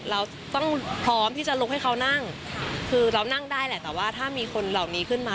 เราต้องพร้อมที่จะลุกให้เขานั่งคือเรานั่งได้แหละแต่ว่าถ้ามีคนเหล่านี้ขึ้นมา